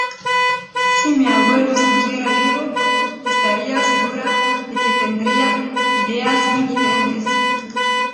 Si mi abuelo siguiera vivo, estaría segura de que tendría ideas muy diferentes.